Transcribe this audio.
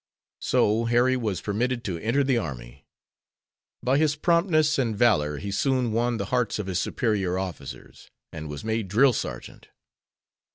So Harry was permitted to enter the army. By his promptness and valor he soon won the hearts of his superior officers, and was made drill sergeant.